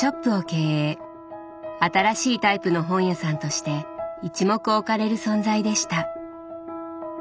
新しいタイプの本屋さんとして一目置かれる存在でした。